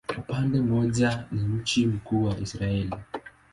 Kwa upande mmoja ni mji mkuu wa Israel.